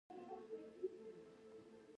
غوا پرېکړه وکړه چې د وزې په څېر په چت کې ويده شي.